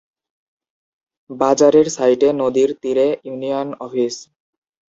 বাজারের সাইটে নদীর তীরে ইউনিয়ন অফিস।